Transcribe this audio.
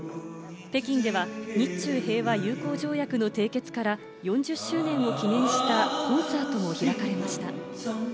北京では日中平和友好条約の締結から４０周年を記念したコンサートも開かれました。